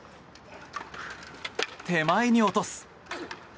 手前に落とす。